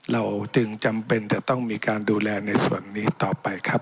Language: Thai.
เราจึงจำเป็นจะต้องมีการดูแลในส่วนนี้ต่อไปครับ